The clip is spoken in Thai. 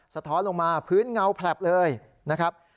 สะท้อนลงมาพื้นเงาแผลบเลยนะครับ